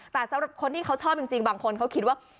แต่สำหรับคนที่เขาชอบจริงบางคนเขาคิดว่า